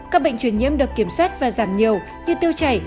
các bệnh truyền nhiễm được kiểm soát và giảm nhiều như tiêu chảy